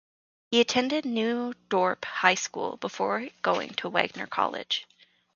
He attended New Dorp High School before going to Wagner College.